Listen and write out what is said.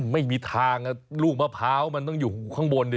ไม่มีทางลูกมะพร้าวมันต้องอยู่ข้างบนดิ